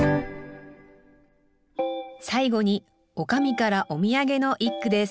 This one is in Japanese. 最後に女将からお土産の一句です